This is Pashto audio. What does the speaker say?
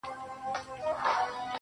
دا ستا د سترگو په كتاب كي گراني .